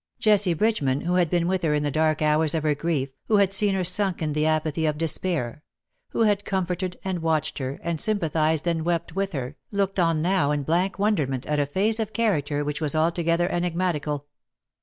Jessie Bridgeman, who had been with her in the dark hours of her grief — who had seen her sunk in the apathy of despair — who had comforted and watched her, and sympa thized and wept with her, looked on now in blank wonderment at a phase of character which was altogether enigmatical.